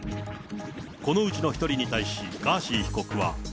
このうちの１人に対し、ガーシー被告は。